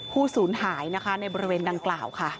ศูนย์หายนะคะในบริเวณดังกล่าวค่ะ